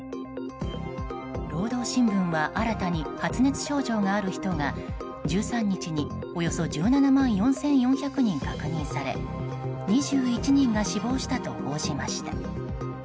労働新聞は新たに発熱症状がある人が１３日におよそ１７万４４００人確認され２１人が死亡したと報じました。